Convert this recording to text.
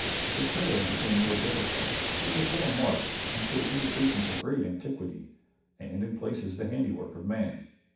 The trail became more difficult but was well marked and showed indications of great antiquity, and, in places, the handiwork of man.